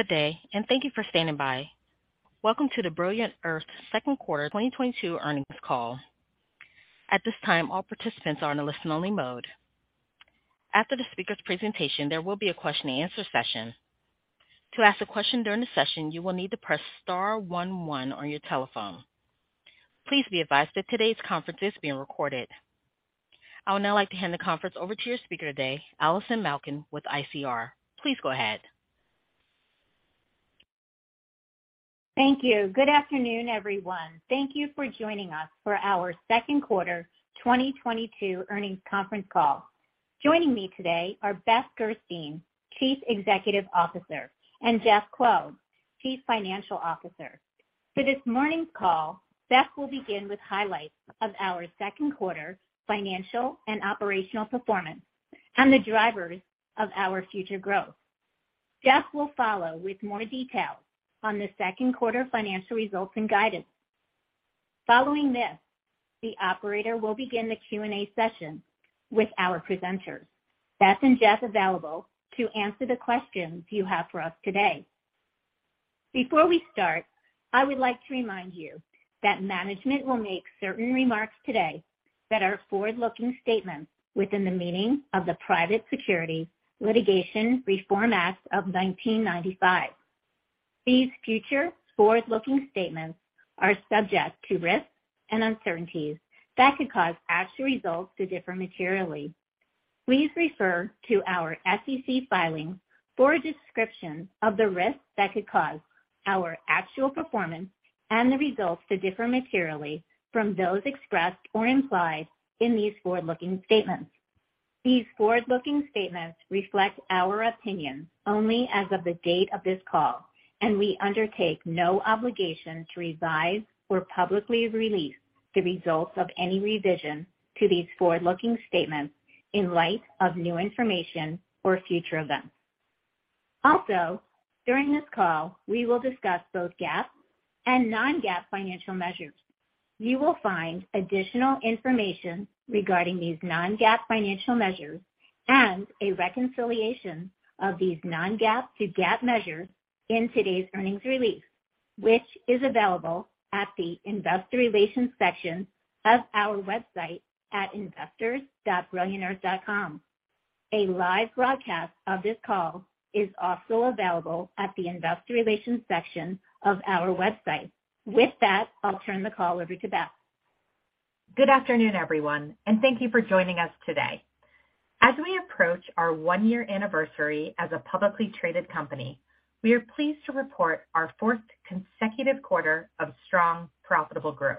Good day, and thank you for standing by. Welcome to the Brilliant Earth second quarter 2022 earnings call. At this time, all participants are in a listen-only mode. After the speaker's presentation, there will be a question-and-answer session. To ask a question during the session, you will need to press star one one on your telephone. Please be advised that today's conference is being recorded. I would now like to hand the conference over to your speaker today, Allison Malkin with ICR. Please go ahead. Thank you. Good afternoon, everyone. Thank you for joining us for our second quarter 2022 earnings conference call. Joining me today are Beth Gerstein, Chief Executive Officer, and Jeff Kuo, Chief Financial Officer. For this morning's call, Beth will begin with highlights of our second quarter financial and operational performance and the drivers of our future growth. Jeff will follow with more details on the second quarter financial results and guidance. Following this, the operator will begin the Q&A session with our presenters. Beth and Jeff available to answer the questions you have for us today. Before we start, I would like to remind you that management will make certain remarks today that are forward-looking statements within the meaning of the Private Securities Litigation Reform Act of 1995. These future forward-looking statements are subject to risks and uncertainties that could cause actual results to differ materially. Please refer to our SEC filings for a description of the risks that could cause our actual performance and the results to differ materially from those expressed or implied in these forward-looking statements. These forward-looking statements reflect our opinions only as of the date of this call, and we undertake no obligation to revise or publicly release the results of any revision to these forward-looking statements in light of new information or future events. Also, during this call, we will discuss both GAAP and non-GAAP financial measures. You will find additional information regarding these non-GAAP financial measures and a reconciliation of these non-GAAP to GAAP measures in today's earnings release, which is available at the investor relations section of our website at investors.brilliantearth.com. A live broadcast of this call is also available at the investor relations section of our website. With that, I'll turn the call over to Beth. Good afternoon, everyone, and thank you for joining us today. As we approach our one-year anniversary as a publicly traded company, we are pleased to report our fourth consecutive quarter of strong, profitable growth.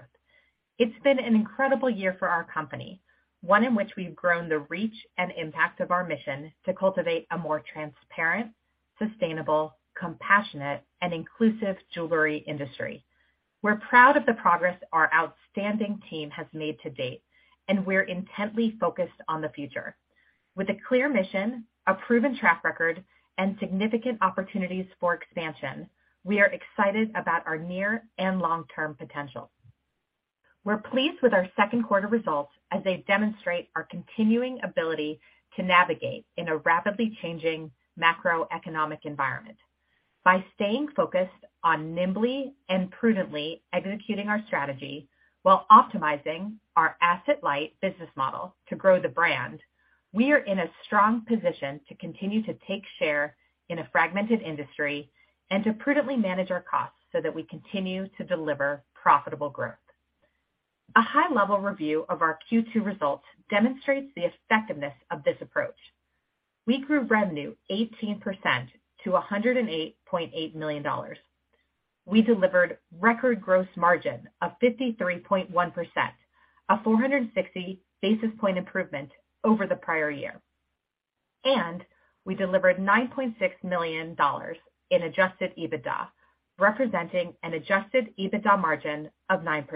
It's been an incredible year for our company, one in which we've grown the reach and impact of our mission to cultivate a more transparent, sustainable, compassionate, and inclusive jewelry industry. We're proud of the progress our outstanding team has made to date, and we're intently focused on the future. With a clear mission, a proven track record, and significant opportunities for expansion, we are excited about our near and long-term potential. We're pleased with our second quarter results as they demonstrate our continuing ability to navigate in a rapidly changing macroeconomic environment. By staying focused on nimbly and prudently executing our strategy while optimizing our asset-light business model to grow the brand, we are in a strong position to continue to take share in a fragmented industry and to prudently manage our costs so that we continue to deliver profitable growth. A high-level review of our Q2 results demonstrates the effectiveness of this approach. We grew revenue 18% to $108.8 million. We delivered record gross margin of 53.1%, a 460 basis point improvement over the prior year. We delivered $9.6 million in adjusted EBITDA, representing an adjusted EBITDA margin of 9%.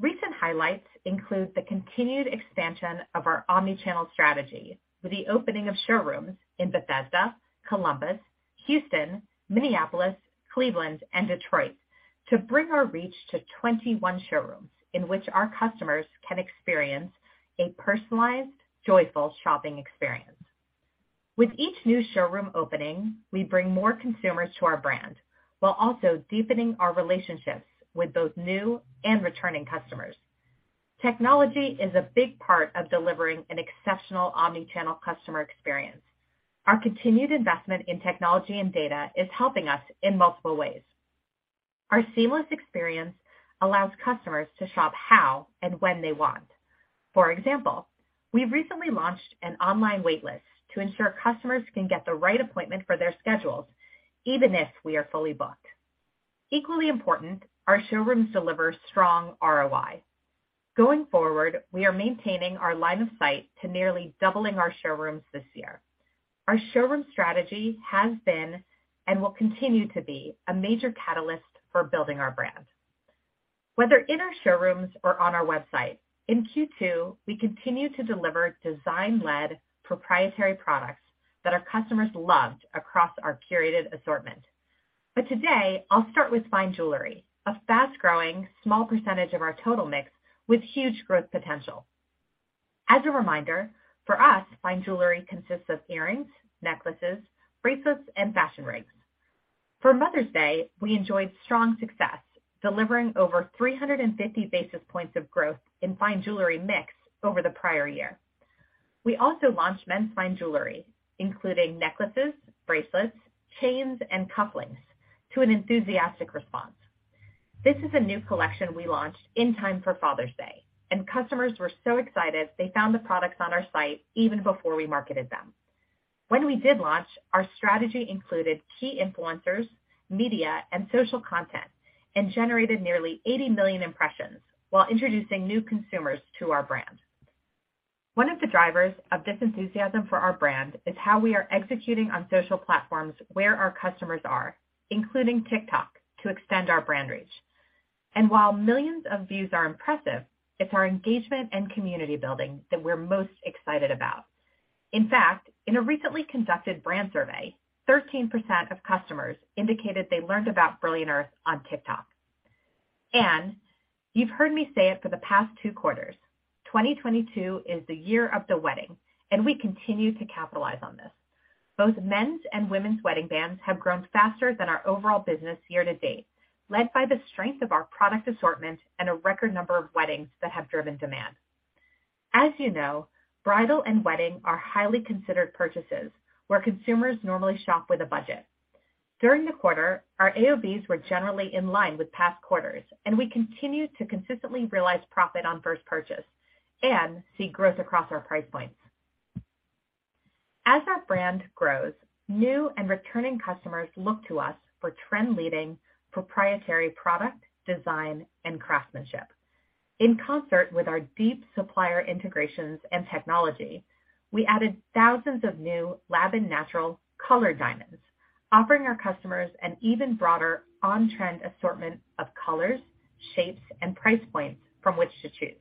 Recent highlights include the continued expansion of our omnichannel strategy with the opening of showrooms in Bethesda, Columbus, Houston, Minneapolis, Cleveland, and Detroit to bring our reach to 21 showrooms in which our customers can experience a personalized, joyful shopping experience. With each new showroom opening, we bring more consumers to our brand while also deepening our relationships with both new and returning customers. Technology is a big part of delivering an exceptional omnichannel customer experience. Our continued investment in technology and data is helping us in multiple ways. Our seamless experience allows customers to shop how and when they want. For example, we recently launched an online wait list to ensure customers can get the right appointment for their schedules, even if we are fully booked. Equally important, our showrooms deliver strong ROI. Going forward, we are maintaining our line of sight to nearly doubling our showrooms this year. Our showroom strategy has been and will continue to be a major catalyst for building our brand. Whether in our showrooms or on our website, in Q2, we continue to deliver design-led proprietary products that our customers loved across our curated assortment. Today, I'll start with fine jewelry, a fast-growing small percentage of our total mix with huge growth potential. As a reminder, for us, fine jewelry consists of earrings, necklaces, bracelets, and fashion rings. For Mother's Day, we enjoyed strong success, delivering over 350 basis points of growth in fine jewelry mix over the prior year. We also launched men's fine jewelry, including necklaces, bracelets, chains, and cufflinks, to an enthusiastic response. This is a new collection we launched in time for Father's Day, and customers were so excited they found the products on our site even before we marketed them. When we did launch, our strategy included key influencers, media, and social content, and generated nearly 80 million impressions while introducing new consumers to our brand. One of the drivers of this enthusiasm for our brand is how we are executing on social platforms where our customers are, including TikTok, to extend our brand reach. While millions of views are impressive, it's our engagement and community building that we're most excited about. In fact, in a recently conducted brand survey, 13% of customers indicated they learned about Brilliant Earth on TikTok. You've heard me say it for the past two quarters. 2022 is the year of the wedding, and we continue to capitalize on this. Both men's and women's wedding bands have grown faster than our overall business year to date, led by the strength of our product assortment and a record number of weddings that have driven demand. As you know, bridal and wedding are highly considered purchases where consumers normally shop with a budget. During the quarter, our AOVs were generally in line with past quarters, and we continued to consistently realize profit on first purchase and see growth across our price points. As our brand grows, new and returning customers look to us for trend-leading proprietary product, design, and craftsmanship. In concert with our deep supplier integrations and technology, we added thousands of new lab and natural color diamonds, offering our customers an even broader on-trend assortment of colors, shapes, and price points from which to choose.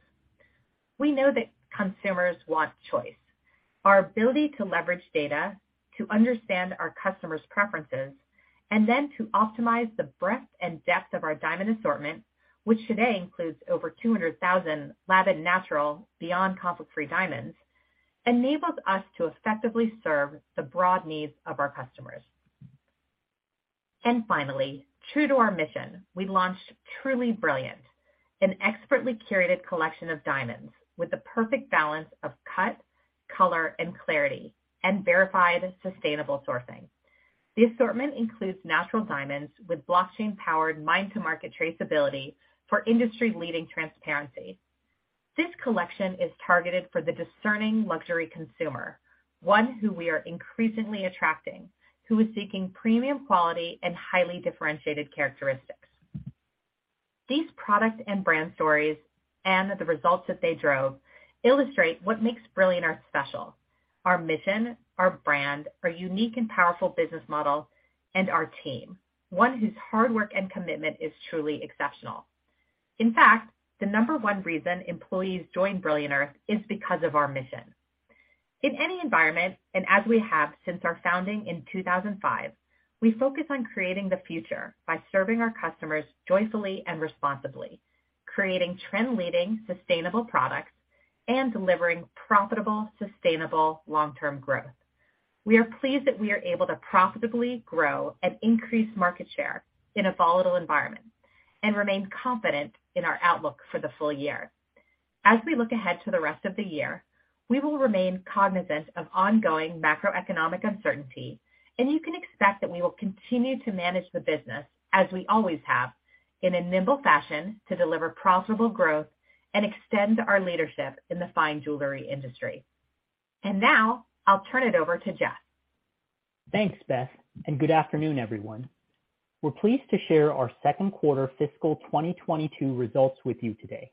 We know that consumers want choice. Our ability to leverage data to understand our customers' preferences and then to optimize the breadth and depth of our diamond assortment, which today includes over 200,000 lab and natural beyond conflict-free diamonds, enables us to effectively serve the broad needs of our customers. Finally, true to our mission, we launched Truly Brilliant, an expertly curated collection of diamonds with the perfect balance of cut, color, and clarity and verified sustainable sourcing. The assortment includes natural diamonds with blockchain-powered mine-to-market traceability for industry-leading transparency. This collection is targeted for the discerning luxury consumer, one who we are increasingly attracting, who is seeking premium quality and highly differentiated characteristics. These product and brand stories and the results that they drove illustrate what makes Brilliant Earth special. Our mission, our brand, our unique and powerful business model, and our team, one whose hard work and commitment is truly exceptional. In fact, the number one reason employees join Brilliant Earth is because of our mission. In any environment, and as we have since our founding in 2005, we focus on creating the future by serving our customers joyfully and responsibly, creating trend-leading sustainable products, and delivering profitable, sustainable long-term growth. We are pleased that we are able to profitably grow and increase market share in a volatile environment and remain confident in our outlook for the full year. As we look ahead to the rest of the year, we will remain cognizant of ongoing macroeconomic uncertainty, and you can expect that we will continue to manage the business as we always have in a nimble fashion to deliver profitable growth and extend our leadership in the fine jewelry industry. Now I'll turn it over to Jeff. Thanks, Beth, and good afternoon, everyone. We're pleased to share our second quarter fiscal 2022 results with you today.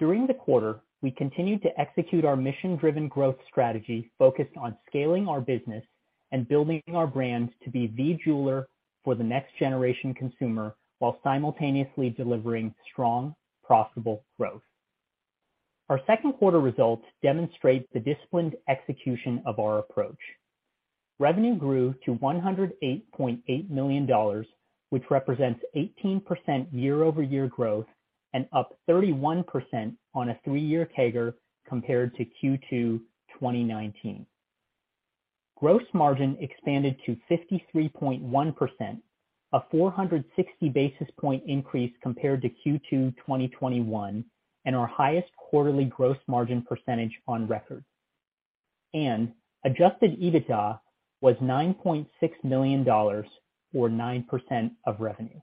During the quarter, we continued to execute our mission-driven growth strategy focused on scaling our business and building our brand to be the jeweler for the next generation consumer while simultaneously delivering strong, profitable growth. Our second quarter results demonstrate the disciplined execution of our approach. Revenue grew to $108.8 million, which represents 18% year-over-year growth and up 31% on a three-year CAGR compared to Q2 2019. Gross margin expanded to 53.1%, a 460 basis point increase compared to Q2 2021, and our highest quarterly gross margin percentage on record. Adjusted EBITDA was $9.6 million or 9% of revenue.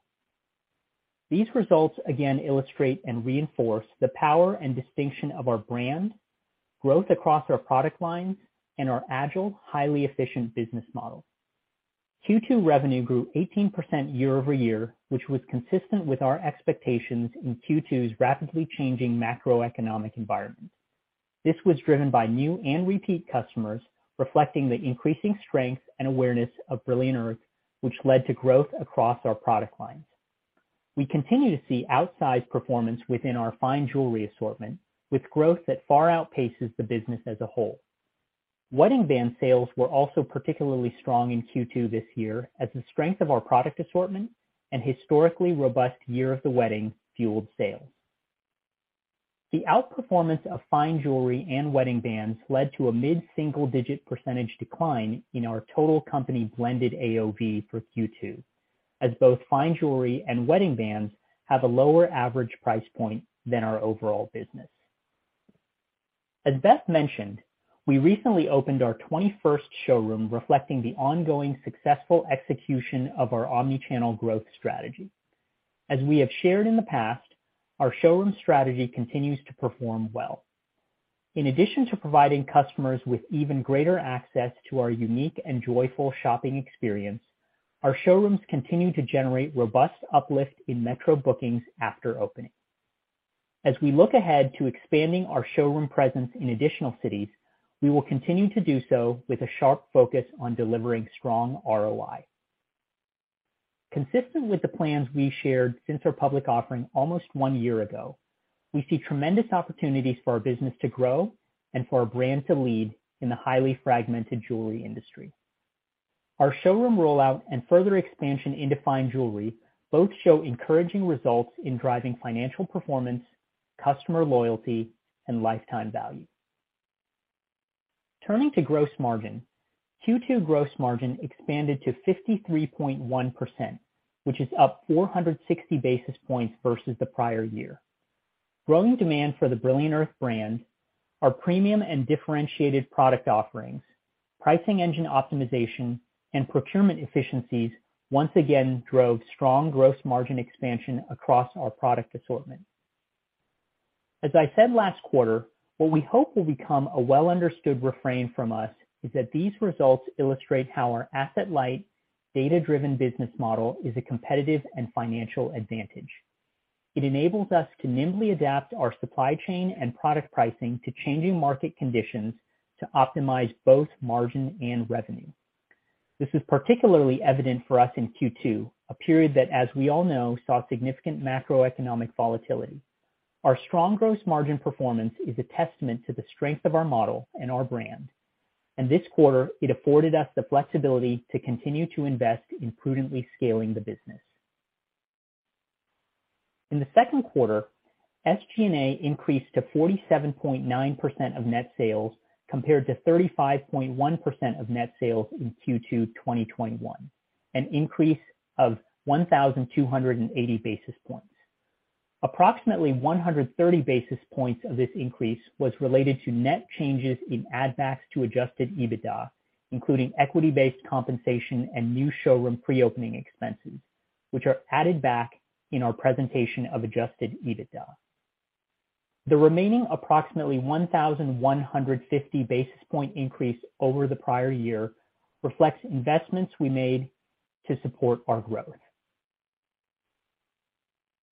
These results again illustrate and reinforce the power and distinction of our brand, growth across our product lines, and our agile, highly efficient business model. Q2 revenue grew 18% year-over-year, which was consistent with our expectations in Q2's rapidly changing macroeconomic environment. This was driven by new and repeat customers, reflecting the increasing strength and awareness of Brilliant Earth, which led to growth across our product lines. We continue to see outsized performance within our fine jewelry assortment, with growth that far outpaces the business as a whole. Wedding band sales were also particularly strong in Q2 this year as the strength of our product assortment and historically robust year of the wedding fueled sales. The outperformance of fine jewelry and wedding bands led to a mid-single-digit % decline in our total company blended AOV for Q2, as both fine jewelry and wedding bands have a lower average price point than our overall business. As Beth mentioned, we recently opened our twenty-first showroom, reflecting the ongoing successful execution of our omnichannel growth strategy. As we have shared in the past, our showroom strategy continues to perform well. In addition to providing customers with even greater access to our unique and joyful shopping experience, our showrooms continue to generate robust uplift in metro bookings after opening. As we look ahead to expanding our showroom presence in additional cities, we will continue to do so with a sharp focus on delivering strong ROI. Consistent with the plans we shared since our public offering almost one year ago, we see tremendous opportunities for our business to grow and for our brand to lead in the highly fragmented jewelry industry. Our showroom rollout and further expansion into fine jewelry both show encouraging results in driving financial performance, customer loyalty, and lifetime value. Turning to gross margin, Q2 gross margin expanded to 53.1%, which is up 460 basis points versus the prior year. Growing demand for the Brilliant Earth brand, our premium and differentiated product offerings, pricing engine optimization, and procurement efficiencies once again drove strong gross margin expansion across our product assortment. As I said last quarter, what we hope will become a well-understood refrain from us is that these results illustrate how our asset-light, data-driven business model is a competitive and financial advantage. It enables us to nimbly adapt our supply chain and product pricing to changing market conditions to optimize both margin and revenue. This is particularly evident for us in Q2, a period that as we all know, saw significant macroeconomic volatility. Our strong gross margin performance is a testament to the strength of our model and our brand. This quarter it afforded us the flexibility to continue to invest in prudently scaling the business. In the second quarter, SG&A increased to 47.9% of net sales compared to 35.1% of net sales in Q2 2021, an increase of 1,280 basis points. Approximately 130 basis points of this increase was related to net changes in add backs to adjusted EBITDA, including equity-based compensation and new showroom pre-opening expenses, which are added back in our presentation of adjusted EBITDA. The remaining approximately 1,150 basis point increase over the prior year reflects investments we made to support our growth.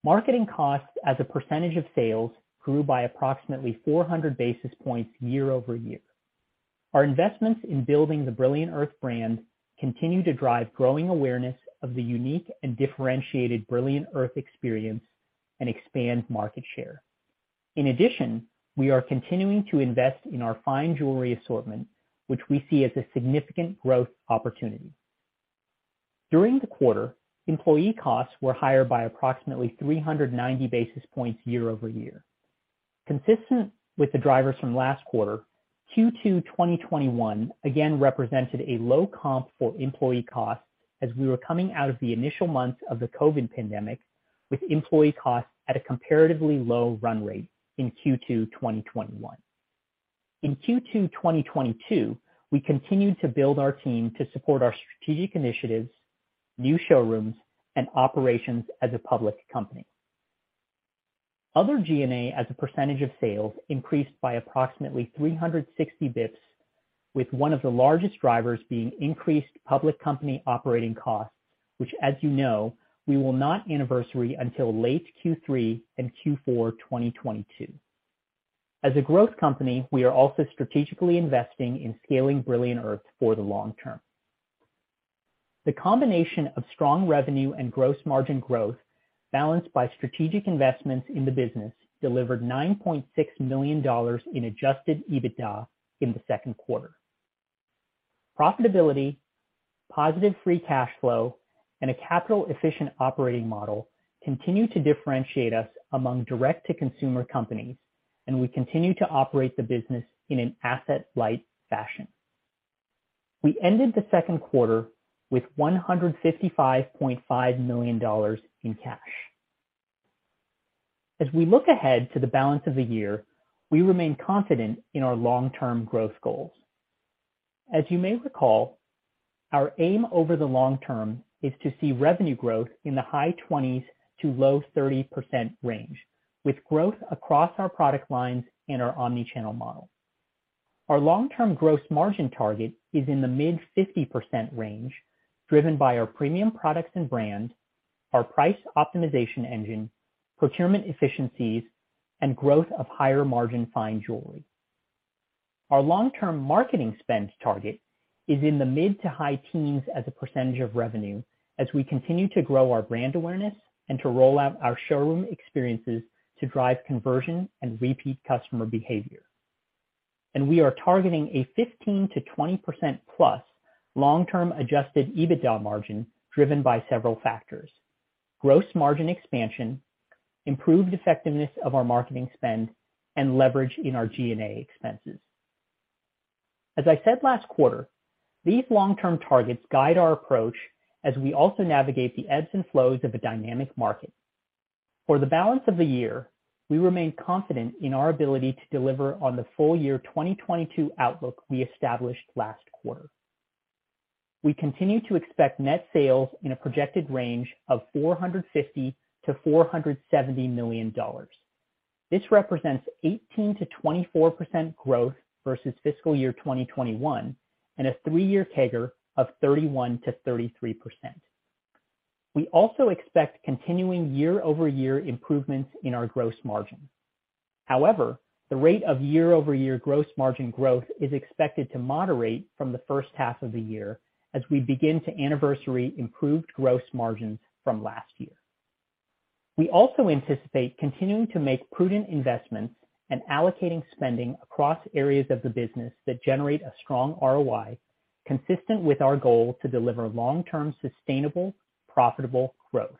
Marketing costs as a percentage of sales grew by approximately 400 basis points year-over-year. Our investments in building the Brilliant Earth brand continue to drive growing awareness of the unique and differentiated Brilliant Earth experience and expand market share. In addition, we are continuing to invest in our fine jewelry assortment, which we see as a significant growth opportunity. During the quarter, employee costs were higher by approximately 390 basis points year-over-year. Consistent with the drivers from last quarter, Q2 2021 again represented a low comp for employee costs as we were coming out of the initial months of the Covid pandemic with employee costs at a comparatively low run rate in Q2 2021. In Q2 2022, we continued to build our team to support our strategic initiatives, new showrooms, and operations as a public company. Other G&A as a percentage of sales increased by approximately 360 basis points, with one of the largest drivers being increased public company operating costs, which as you know, we will not anniversary until late Q3 and Q4 2022. As a growth company, we are also strategically investing in scaling Brilliant Earth for the long term. The combination of strong revenue and gross margin growth balanced by strategic investments in the business delivered $9.6 million in adjusted EBITDA in the second quarter. Profitability, positive free cash flow, and a capital-efficient operating model continue to differentiate us among direct-to-consumer companies, and we continue to operate the business in an asset-light fashion. We ended the second quarter with $155.5 million in cash. As we look ahead to the balance of the year, we remain confident in our long-term growth goals. As you may recall, our aim over the long term is to see revenue growth in the high 20s-low 30% range, with growth across our product lines and our omni-channel model. Our long-term gross margin target is in the mid-50% range, driven by our premium products and brand, our price optimization engine, procurement efficiencies, and growth of higher-margin fine jewelry. Our long-term marketing spend target is in the mid- to high-teens% of revenue as we continue to grow our brand awareness and to roll out our showroom experiences to drive conversion and repeat customer behavior. We are targeting a 15%-20%+ long-term adjusted EBITDA margin, driven by several factors. Gross margin expansion, improved effectiveness of our marketing spend, and leverage in our G&A expenses. As I said last quarter, these long-term targets guide our approach as we also navigate the ebbs and flows of a dynamic market. For the balance of the year, we remain confident in our ability to deliver on the full-year 2022 outlook we established last quarter. We continue to expect net sales in a projected range of $450 million-$470 million. This represents 18%-24% growth versus fiscal year 2021, and a three-year CAGR of 31%-33%. We also expect continuing year-over-year improvements in our gross margin. However, the rate of year-over-year gross margin growth is expected to moderate from the first half of the year as we begin to anniversary improved gross margins from last year. We also anticipate continuing to make prudent investments and allocating spending across areas of the business that generate a strong ROI, consistent with our goal to deliver long-term sustainable, profitable growth.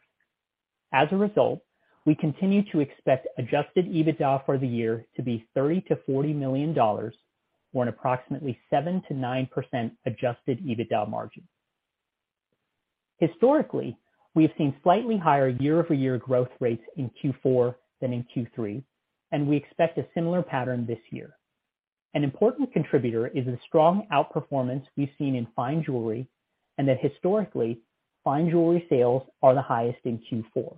As a result, we continue to expect adjusted EBITDA for the year to be $30 million-$40 million, or an approximately 7%-9% adjusted EBITDA margin. Historically, we have seen slightly higher year-over-year growth rates in Q4 than in Q3, and we expect a similar pattern this year. An important contributor is the strong outperformance we've seen in fine jewelry, and that historically, fine jewelry sales are the highest in Q4.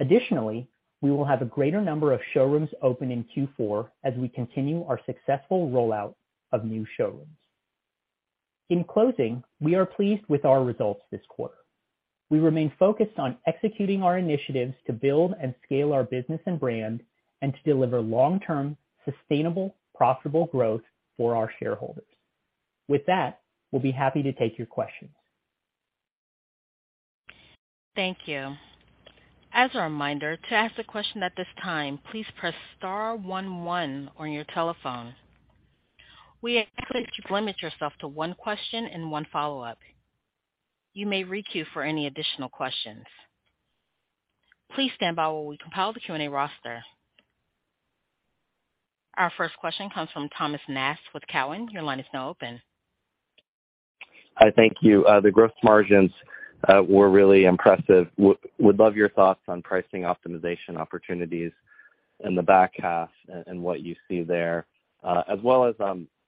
Additionally, we will have a greater number of showrooms open in Q4 as we continue our successful rollout of new showrooms. In closing, we are pleased with our results this quarter. We remain focused on executing our initiatives to build and scale our business and brand, and to deliver long-term sustainable, profitable growth for our shareholders. With that, we'll be happy to take your questions. Thank you. As a reminder, to ask a question at this time, please press star one one on your telephone. We ask that you limit yourself to one question and one follow-up. You may re-queue for any additional questions. Please stand by while we compile the Q&A roster. Our first question comes from Oliver Chen with TD Cowen. Your line is now open. Hi. Thank you. The gross margins were really impressive. Would love your thoughts on pricing optimization opportunities in the back half and what you see there, as well as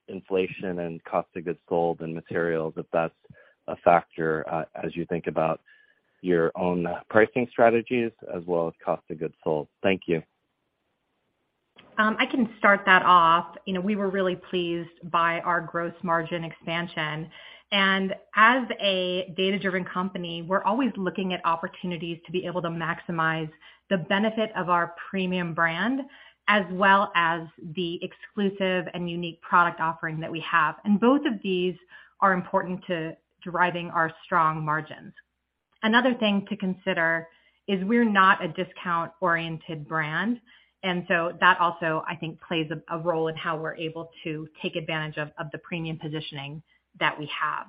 inflation and cost of goods sold and materials, if that's a factor, as you think about your own pricing strategies as well as cost of goods sold. Thank you. I can start that off. You know, we were really pleased by our gross margin expansion. As a data-driven company, we're always looking at opportunities to be able to maximize the benefit of our premium brand, as well as the exclusive and unique product offering that we have. Both of these are important to driving our strong margins. Another thing to consider is we're not a discount-oriented brand, and so that also, I think, plays a role in how we're able to take advantage of the premium positioning that we have.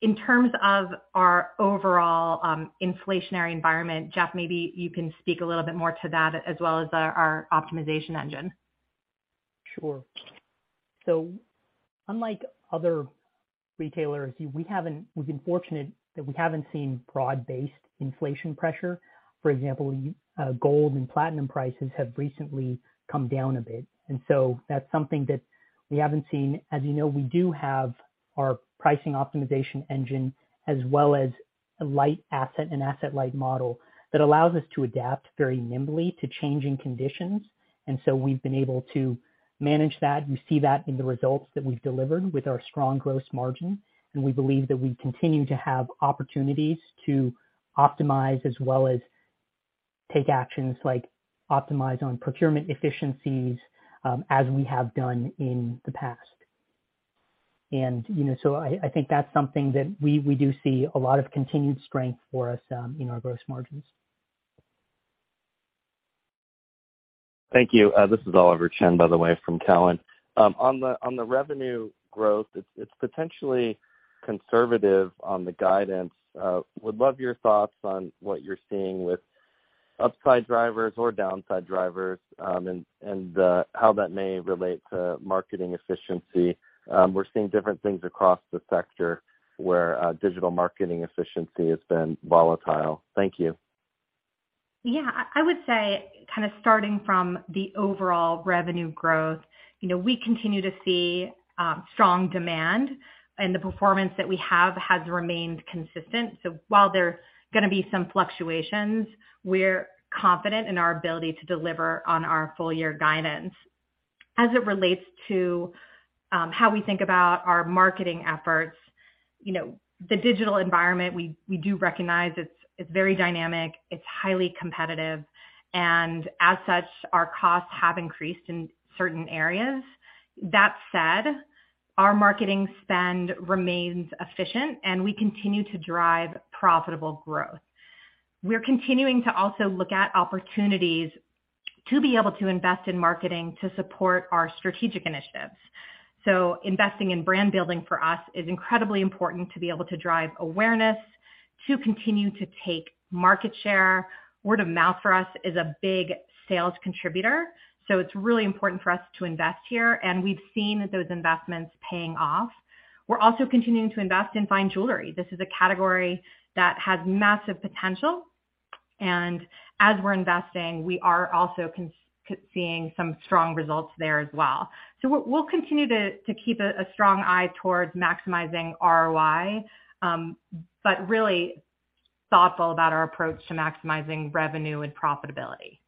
In terms of our overall inflationary environment, Jeff, maybe you can speak a little bit more to that as well as our optimization engine. Sure. Unlike other retailers, we haven't been fortunate that we haven't seen broad-based inflation pressure. For example, gold and platinum prices have recently come down a bit, and that's something that we haven't seen. As you know, we do have our pricing optimization engine as well as an asset-light model that allows us to adapt very nimbly to changing conditions. We've been able to manage that. You see that in the results that we've delivered with our strong gross margin, and we believe that we continue to have opportunities to optimize as well as take actions like optimize on procurement efficiencies, as we have done in the past. You know, I think that's something that we do see a lot of continued strength for us in our gross margins. Thank you. This is Oliver Chen, by the way, from TD Cowen. On the revenue growth, it's potentially conservative on the guidance. Would love your thoughts on what you're seeing with upside drivers or downside drivers, and how that may relate to marketing efficiency. We're seeing different things across the sector where digital marketing efficiency has been volatile. Thank you. Yeah. I would say kind of starting from the overall revenue growth, you know, we continue to see strong demand, and the performance that we have has remained consistent. While there's gonna be some fluctuations, we're confident in our ability to deliver on our full year guidance. As it relates to how we think about our marketing efforts, you know, the digital environment, we do recognize it's very dynamic, it's highly competitive, and as such, our costs have increased in certain areas. That said, our marketing spend remains efficient, and we continue to drive profitable growth. We're continuing to also look at opportunities to be able to invest in marketing to support our strategic initiatives. Investing in brand building for us is incredibly important to be able to drive awareness, to continue to take market share. Word of mouth for us is a big sales contributor, so it's really important for us to invest here, and we've seen those investments paying off. We're also continuing to invest in fine jewelry. This is a category that has massive potential. As we're investing, we are also seeing some strong results there as well. We'll continue to keep a strong eye towards maximizing ROI, but really thoughtful about our approach to maximizing revenue and profitability.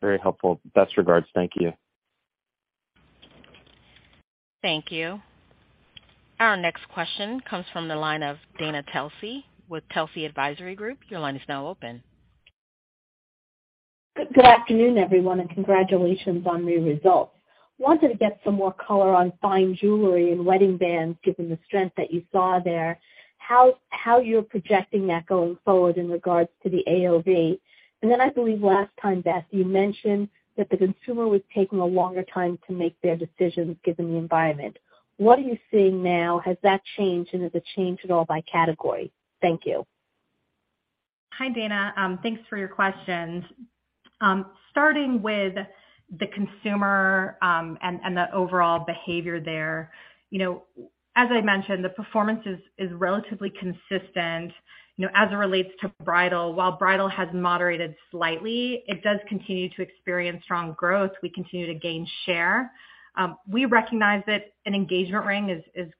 Very helpful. Best regards. Thank you. Thank you. Our next question comes from the line of Dana Telsey with Telsey Advisory Group. Your line is now open. Good afternoon, everyone, and congratulations on your results. Wanted to get some more color on fine jewelry and wedding bands, given the strength that you saw there, how you're projecting that going forward in regards to the AOV. I believe last time, Beth, you mentioned that the consumer was taking a longer time to make their decisions given the environment. What are you seeing now? Has that changed, and has it changed at all by category? Thank you. Hi, Dana. Thanks for your questions. Starting with the consumer and the overall behavior there. You know, as I mentioned, the performance is relatively consistent, you know, as it relates to bridal. While bridal has moderated slightly, it does continue to experience strong growth. We continue to gain share. We recognize that an engagement ring is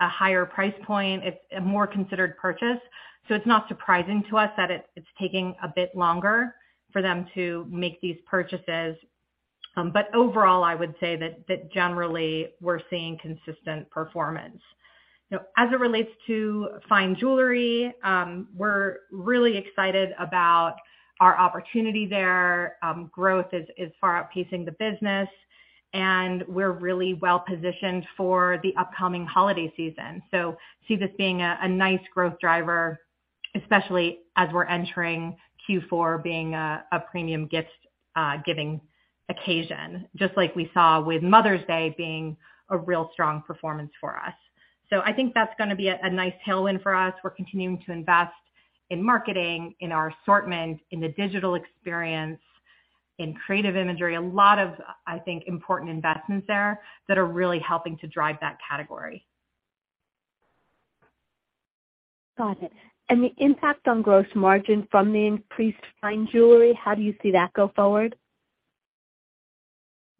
a higher price point. It's a more considered purchase, so it's not surprising to us that it's taking a bit longer for them to make these purchases. Overall, I would say that generally we're seeing consistent performance. Now, as it relates to fine jewelry, we're really excited about our opportunity there. Growth is far outpacing the business, and we're really well-positioned for the upcoming holiday season. See this being a nice growth driver, especially as we're entering Q4 being a premium gift giving occasion, just like we saw with Mother's Day being a real strong performance for us. I think that's gonna be a nice tailwind for us. We're continuing to invest in marketing, in our assortment, in the digital experience, in creative imagery. A lot of, I think, important investments there that are really helping to drive that category. Got it. The impact on gross margin from the increased fine jewelry, how do you see that go forward?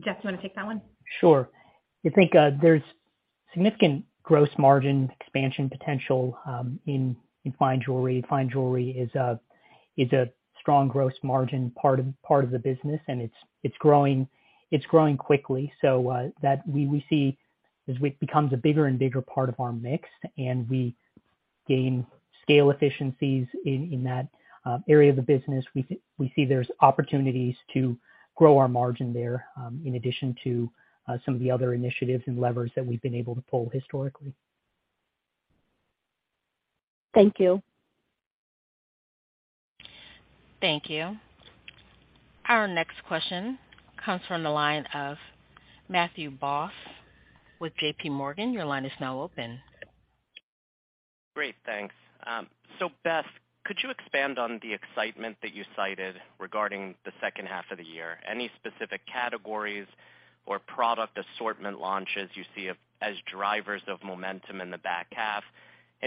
Jeff, do you wanna take that one? Sure. I think there's significant gross margin expansion potential in fine jewelry. Fine jewelry is a strong gross margin part of the business, and it's growing quickly. We see that as it becomes a bigger and bigger part of our mix and we gain scale efficiencies in that area of the business. We see there's opportunities to grow our margin there, in addition to some of the other initiatives and levers that we've been able to pull historically. Thank you. Thank you. Our next question comes from the line of Matthew Boss with JPMorgan. Your line is now open. Great. Thanks. So Beth, could you expand on the excitement that you cited regarding the second half of the year? Any specific categories or product assortment launches you see as drivers of momentum in the back half?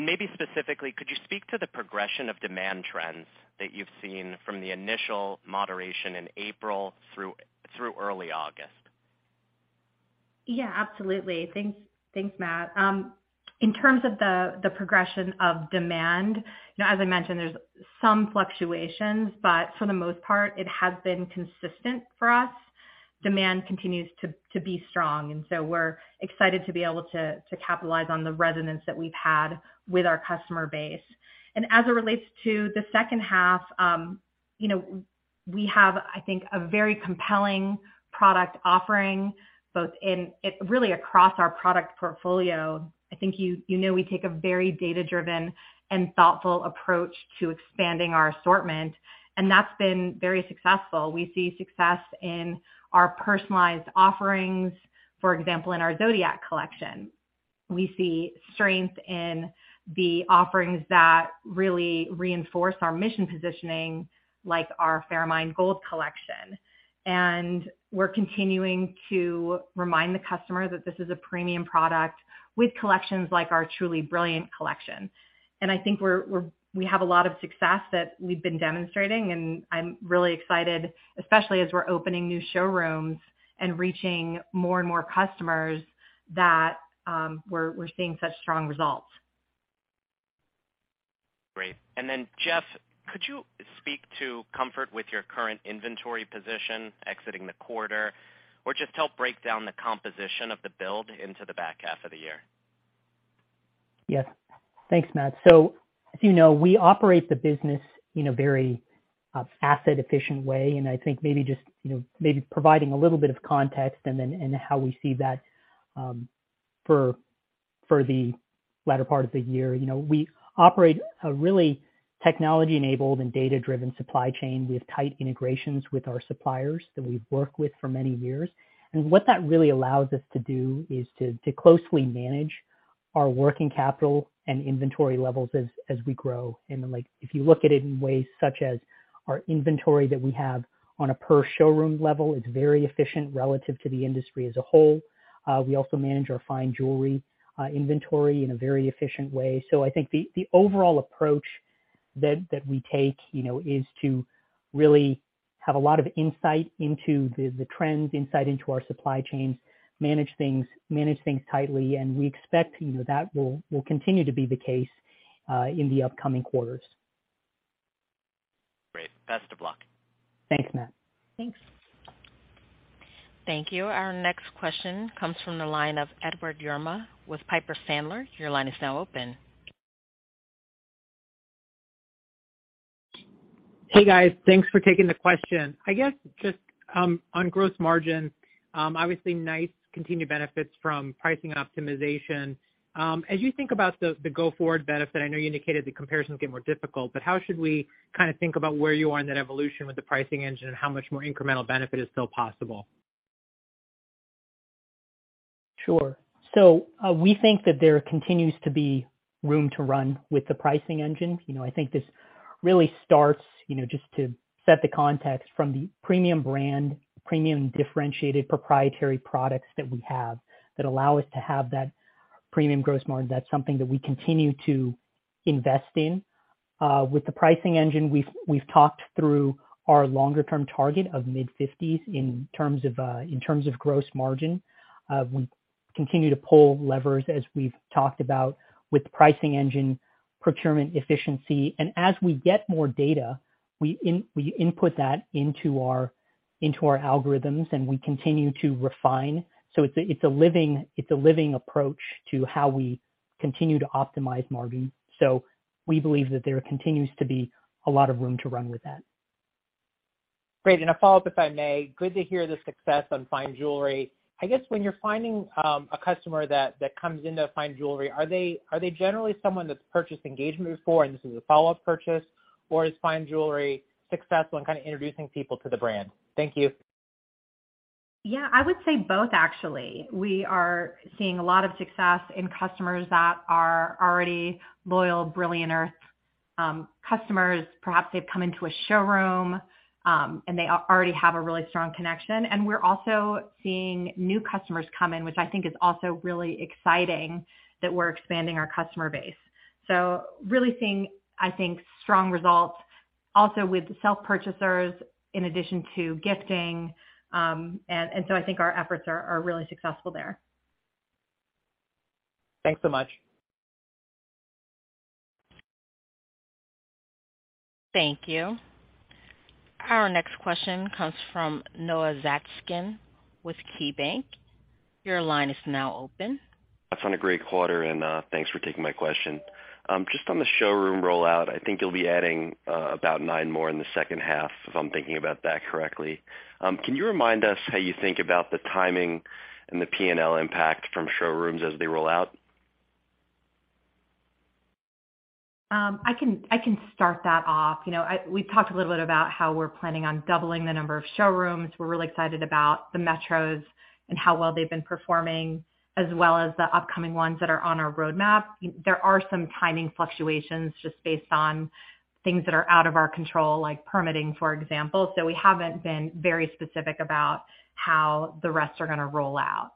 Maybe specifically, could you speak to the progression of demand trends that you've seen from the initial moderation in April through early August? Yeah, absolutely. Thanks. Thanks, Matt. In terms of the progression of demand, you know, as I mentioned, there's some fluctuations, but for the most part, it has been consistent for us. Demand continues to be strong, and so we're excited to be able to capitalize on the resonance that we've had with our customer base. As it relates to the second half, you know, we have, I think, a very compelling product offering both really across our product portfolio. I think you know we take a very data-driven and thoughtful approach to expanding our assortment, and that's been very successful. We see success in our personalized offerings. For example, in our Zodiac Collection. We see strength in the offerings that really reinforce our mission positioning, like our Fairmined Gold Collection. We're continuing to remind the customer that this is a premium product with collections like our Truly Brilliant Collection. I think we have a lot of success that we've been demonstrating, and I'm really excited, especially as we're opening new showrooms and reaching more and more customers that we're seeing such strong results. Jeff, could you speak to comfort with your current inventory position exiting the quarter? Or just help break down the composition of the build into the back half of the year. Yes. Thanks, Matt. As you know, we operate the business in a very asset efficient way, and I think maybe just, you know, maybe providing a little bit of context and then how we see that for the latter part of the year. You know, we operate a really technology-enabled and data-driven supply chain. We have tight integrations with our suppliers that we've worked with for many years. What that really allows us to do is to closely manage our working capital and inventory levels as we grow. Like, if you look at it in ways such as our inventory that we have on a per showroom level, it's very efficient relative to the industry as a whole. We also manage our fine jewelry inventory in a very efficient way. I think the overall approach that we take, you know, is to really have a lot of insight into the trends, insight into our supply chains, manage things tightly, and we expect, you know, that will continue to be the case in the upcoming quarters. Great. Best of luck. Thanks, Matt. Thanks. Thank you. Our next question comes from the line of Edward Yruma with Piper Sandler. Your line is now open. Hey, guys. Thanks for taking the question. I guess just on gross margin, obviously nice continued benefits from pricing optimization. As you think about the go-forward benefit, I know you indicated the comparisons get more difficult, but how should we kinda think about where you are in that evolution with the pricing engine and how much more incremental benefit is still possible? Sure. We think that there continues to be room to run with the pricing engine. You know, I think this really starts, you know, just to set the context from the premium brand, premium differentiated proprietary products that we have that allow us to have that premium gross margin. That's something that we continue to invest in. With the pricing engine, we've talked through our longer term target of mid-50s% in terms of gross margin. We continue to pull levers as we've talked about with pricing engine procurement efficiency. As we get more data, we input that into our algorithms, and we continue to refine. It's a living approach to how we continue to optimize margin. We believe that there continues to be a lot of room to run with that. Great. A follow-up, if I may. Good to hear the success on fine jewelry. I guess when you're finding a customer that comes into fine jewelry, are they generally someone that's purchased engagement before and this is a follow-up purchase? Or is fine jewelry successful in kinda introducing people to the brand? Thank you. Yeah, I would say both actually. We are seeing a lot of success in customers that are already loyal Brilliant Earth customers. Perhaps they've come into a showroom, and they already have a really strong connection. We're also seeing new customers come in, which I think is also really exciting that we're expanding our customer base. Really seeing, I think, strong results also with self-purchasers in addition to gifting. I think our efforts are really successful there. Thanks so much. Thank you. Our next question comes from Noah Zatzkin with KeyBanc. Your line is now open. That's on a great quarter, and thanks for taking my question. Just on the showroom rollout, I think you'll be adding about nine more in the second half, if I'm thinking about that correctly. Can you remind us how you think about the timing and the P&L impact from showrooms as they roll out? I can start that off. You know, we talked a little bit about how we're planning on doubling the number of showrooms. We're really excited about the metros and how well they've been performing, as well as the upcoming ones that are on our roadmap. There are some timing fluctuations just based on things that are out of our control, like permitting, for example. We haven't been very specific about how the rest are gonna roll out.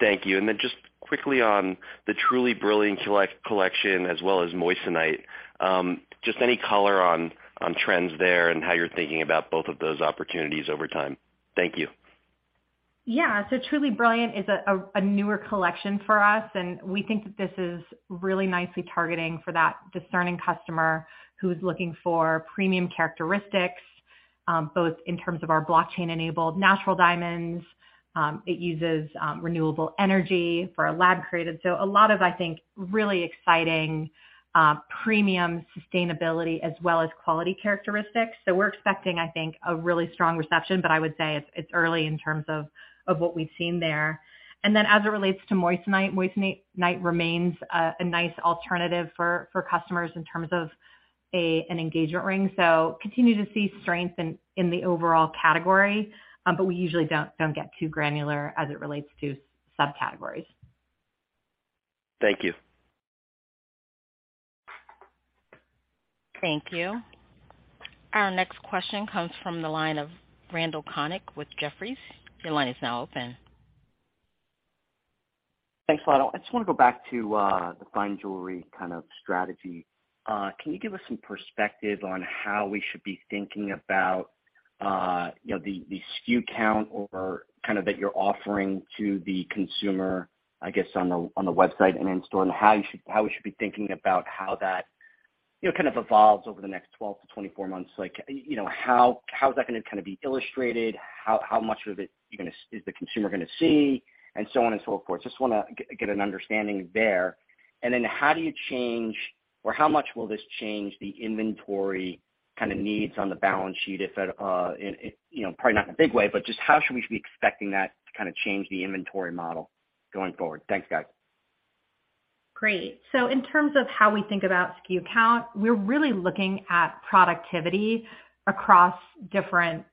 Thank you. Just quickly on the Truly Brilliant collection as well as moissanite. Just any color on trends there and how you're thinking about both of those opportunities over time. Thank you. Yeah. Truly Brilliant is a newer collection for us, and we think that this is really nicely targeting for that discerning customer who's looking for premium characteristics, both in terms of our blockchain-enabled natural diamonds. It uses renewable energy for our lab created. A lot of, I think, really exciting premium sustainability as well as quality characteristics. We're expecting, I think, a really strong reception, but I would say it's early in terms of what we've seen there. Then as it relates to moissanite remains a nice alternative for customers in terms of an engagement ring. Continue to see strength in the overall category, but we usually don't get too granular as it relates to subcategories. Thank you. Thank you. Our next question comes from the line of Randal Konik with Jefferies. Your line is now open. Thanks, Randal. I just wanna go back to the fine jewelry kind of strategy. Can you give us some perspective on how we should be thinking about, you know, the SKU count or kind of that you're offering to the consumer, I guess, on the website and in store, and how we should be thinking about how that, you know, kind of evolves over the next 12-24 months. Like, you know, how is that gonna kinda be illustrated, how much of it is the consumer gonna see, and so on and so forth. Just wanna get an understanding there. How do you change or how much will this change the inventory kinda needs on the balance sheet if it. You know, probably not in a big way, but just how should we be expecting that to kinda change the inventory model going forward? Thanks, guys. Great. In terms of how we think about SKU count, we're really looking at productivity across different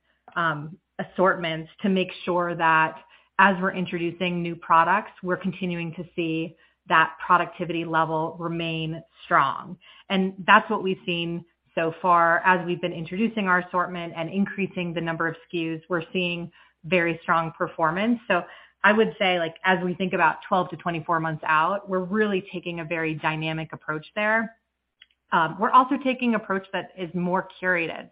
assortments to make sure that as we're introducing new products, we're continuing to see that productivity level remain strong. That's what we've seen so far. As we've been introducing our assortment and increasing the number of SKUs, we're seeing very strong performance. I would say, like, as we think about 12-24 months out, we're really taking a very dynamic approach there. We're also taking approach that is more curated.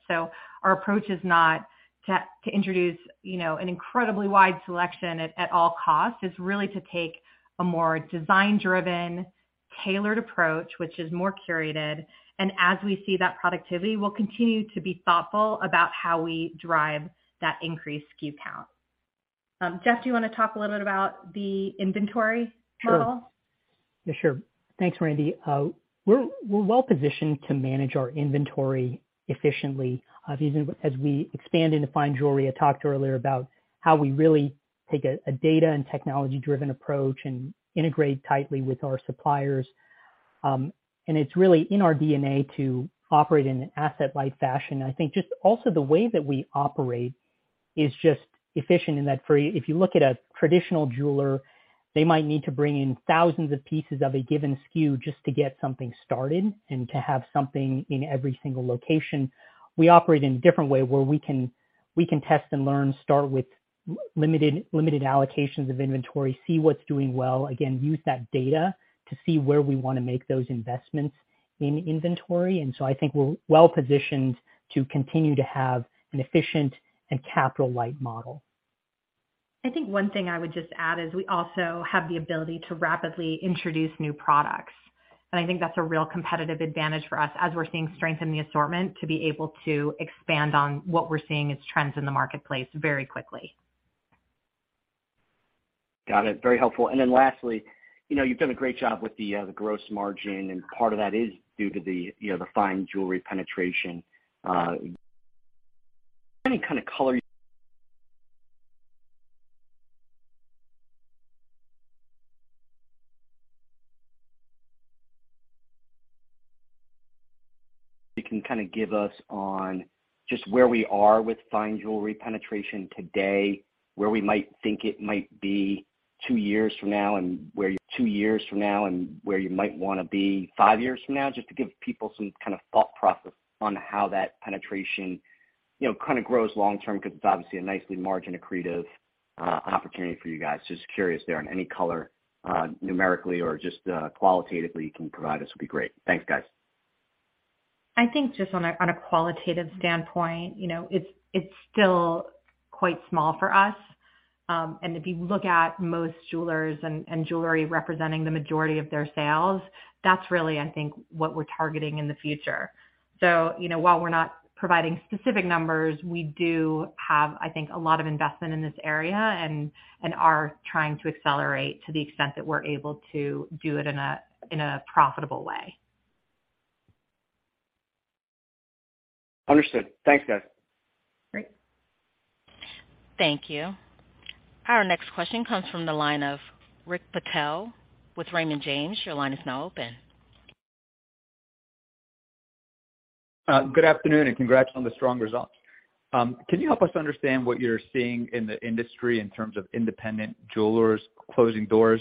Our approach is not to introduce, you know, an incredibly wide selection at all costs. It's really to take a more design-driven, tailored approach, which is more curated. As we see that productivity, we'll continue to be thoughtful about how we drive that increased SKU count. Jeff, do you wanna talk a little bit about the inventory model? Sure. Yeah, sure. Thanks, Randy. We're well positioned to manage our inventory efficiently, even as we expand into fine jewelry. I talked earlier about how we really take a data and technology-driven approach and integrate tightly with our suppliers. It's really in our DNA to operate in an asset-light fashion. I think just also the way that we operate is just efficient in that. If you look at a traditional jeweler, they might need to bring in thousands of pieces of a given SKU just to get something started and to have something in every single location. We operate in a different way, where we can test and learn, start with limited allocations of inventory, see what's doing well. Again, use that data to see where we wanna make those investments in inventory. I think we're well positioned to continue to have an efficient and capital-light model. I think one thing I would just add is we also have the ability to rapidly introduce new products. I think that's a real competitive advantage for us as we're seeing strength in the assortment to be able to expand on what we're seeing as trends in the marketplace very quickly. Got it. Very helpful. Then lastly, you know, you've done a great job with the gross margin, and part of that is due to the, you know, the fine jewelry penetration. Any kind of color you can kinda give us on just where we are with fine jewelry penetration today, where we might think it might be two years from now and where you might wanna be five years from now, just to give people some kind of thought process on how that penetration, you know, kinda grows long term, 'cause it's obviously a nicely margin-accretive opportunity for you guys. Just curious there on any color numerically or just qualitatively you can provide us would be great. Thanks, guys. I think just on a qualitative standpoint, you know, it's still quite small for us. If you look at most jewelers and jewelry representing the majority of their sales, that's really, I think, what we're targeting in the future. You know, while we're not providing specific numbers, we do have, I think, a lot of investment in this area and are trying to accelerate to the extent that we're able to do it in a profitable way. Understood. Thanks, guys. Great. Thank you. Our next question comes from the line of Rick Patel with Raymond James. Your line is now open. Good afternoon, and congrats on the strong results. Can you help us understand what you're seeing in the industry in terms of independent jewelers closing doors?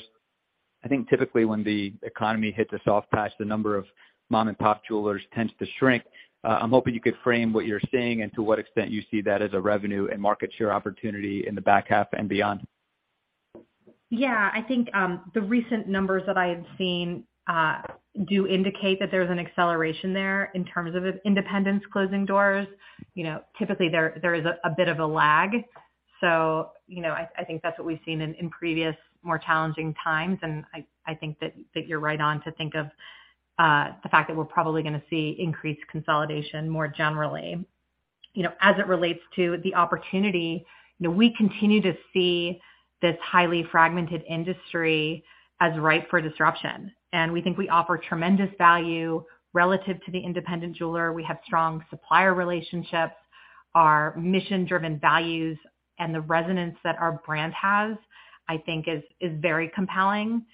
I think typically when the economy hits a soft patch, the number of mom-and-pop jewelers tends to shrink. I'm hoping you could frame what you're seeing and to what extent you see that as a revenue and market share opportunity in the back half and beyond. Yeah. I think the recent numbers that I have seen do indicate that there's an acceleration there in terms of independents closing doors. You know, typically there is a bit of a lag. You know, I think that's what we've seen in previous, more challenging times, and I think that you're right on to think of the fact that we're probably gonna see increased consolidation more generally. You know, as it relates to the opportunity, you know, we continue to see this highly fragmented industry as ripe for disruption, and we think we offer tremendous value relative to the independent jeweler. We have strong supplier relationships. Our mission-driven values and the resonance that our brand has, I think is very compelling.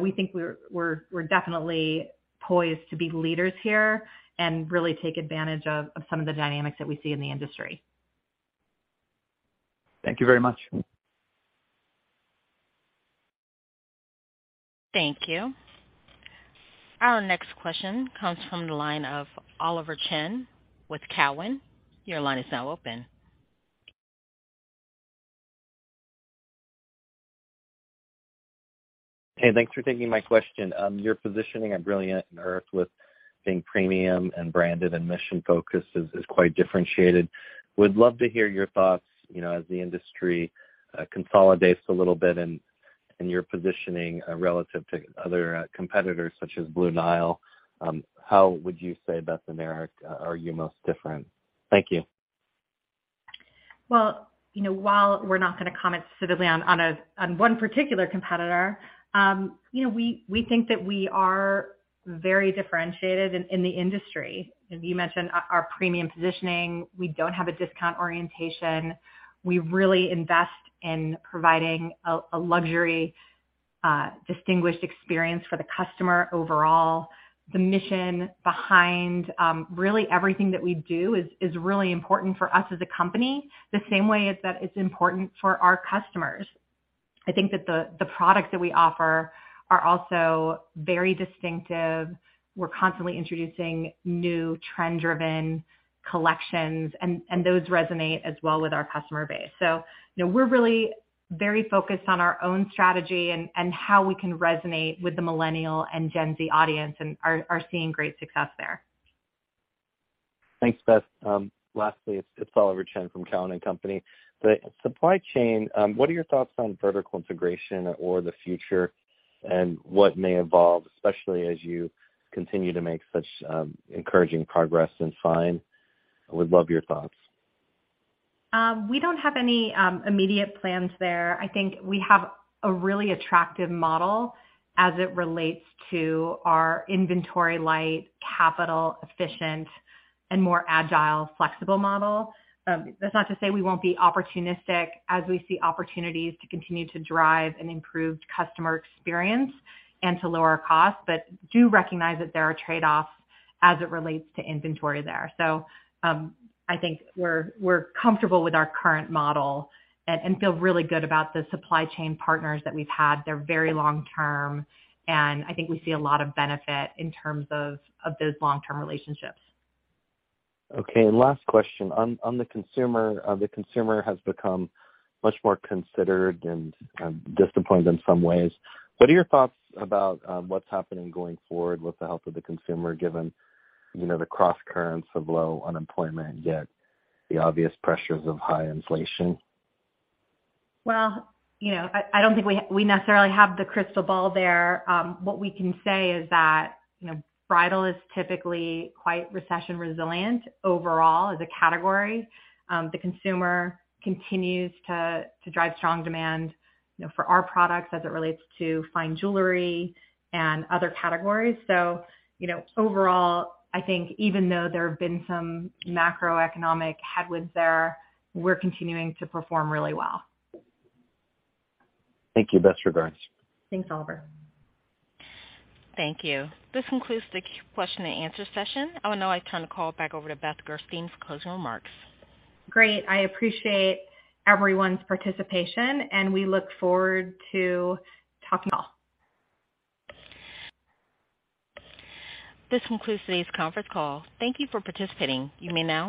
We think we're definitely poised to be leaders here and really take advantage of some of the dynamics that we see in the industry. Thank you very much. Thank you. Our next question comes from the line of Oliver Chen with TD Cowen. Your line is now open. Hey, thanks for taking my question. Your positioning at Brilliant Earth with being premium and branded and mission-focused is quite differentiated. Would love to hear your thoughts, you know, as the industry consolidates a little bit and your positioning relative to other competitors such as Blue Nile, how would you say, Beth and Jeff, are you most different? Thank you. Well, you know, while we're not gonna comment specifically on one particular competitor, you know, we think that we are very differentiated in the industry. As you mentioned, our premium positioning, we don't have a discount orientation. We really invest in providing a luxury distinguished experience for the customer overall. The mission behind really everything that we do is really important for us as a company, the same way as that it's important for our customers. I think that the products that we offer are also very distinctive. We're constantly introducing new trend-driven collections and those resonate as well with our customer base. You know, we're really very focused on our own strategy and how we can resonate with the Millennial and Gen Z audience, and are seeing great success there. Thanks, Beth. Lastly, it's Oliver Chen from TD Cowen. The supply chain, what are your thoughts on vertical integration or the future and what may evolve, especially as you continue to make such encouraging progress in fine jewelry? I would love your thoughts. We don't have any immediate plans there. I think we have a really attractive model as it relates to our inventory light, capital efficient, and more agile, flexible model. That's not to say we won't be opportunistic as we see opportunities to continue to drive an improved customer experience and to lower our costs, but do recognize that there are trade-offs as it relates to inventory there. I think we're comfortable with our current model and feel really good about the supply chain partners that we've had. They're very long term, and I think we see a lot of benefit in terms of those long-term relationships. Okay. Last question. On the consumer, the consumer has become much more considered and disciplined in some ways. What are your thoughts about what's happening going forward with the health of the consumer, given you know the crosscurrents of low unemployment, yet the obvious pressures of high inflation? Well, you know, I don't think we necessarily have the crystal ball there. What we can say is that, you know, bridal is typically quite recession resilient overall as a category. The consumer continues to drive strong demand, you know, for our products as it relates to fine jewelry and other categories. Overall, I think even though there have been some macroeconomic headwinds there, we're continuing to perform really well. Thank you. Best regards. Thanks, Oliver. Thank you. This concludes the question-and-answer session. I will now turn the call back over to Beth Gerstein for closing remarks. Great. I appreciate everyone's participation, and we look forward to talking to you all. This concludes today's conference call. Thank you for participating. You may now disconnect.